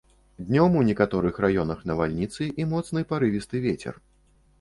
Днём у некаторых раёнах навальніцы і моцны парывісты вецер.